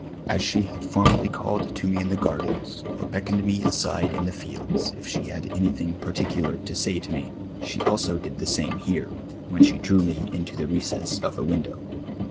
As she had formerly called to me in the gardens, or beckoned me aside ill the fields, if she had anything particular to say to me, she also did the same here, when she drew me into the recess of a window.